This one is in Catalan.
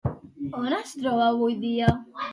On es troba avui dia?